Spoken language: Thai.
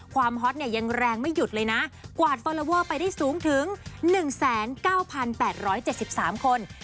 ฮอตเนี่ยยังแรงไม่หยุดเลยนะกวาดฟอลลอเวอร์ไปได้สูงถึง๑๙๘๗๓คน